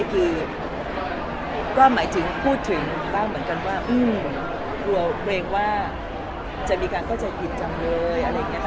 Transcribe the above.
คือก็หมายถึงพูดถึงบ้างเหมือนกันว่าเปล่าตัวเองว่าจะมีการเข้าใจผิดจำเลย